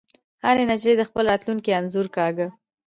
هرې نجلۍ د خپل راتلونکي انځور کاږه